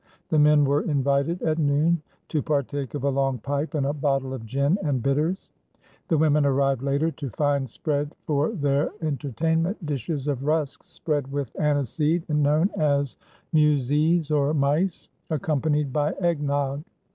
The men were invited at noon to partake of a long pipe and a bottle of gin and bitters. The women arrived later to find spread for their entertainment dishes of rusks spread with aniseed and known as muisjes or mice, accompanied by eggnog.